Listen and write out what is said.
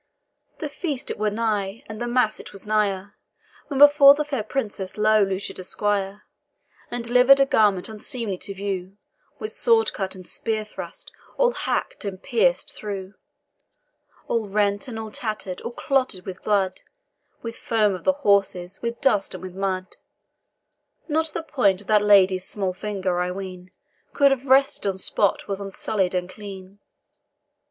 The feast it was nigh, and the mass it was nigher, When before the fair Princess low looted a squire, And deliver'd a garment unseemly to view, With sword cut and spear thrust, all hack'd and pierc'd through; All rent and all tatter'd, all clotted with blood, With foam of the horses, with dust, and with mud; Not the point of that lady's small finger, I ween, Could have rested on spot was unsullied and clean.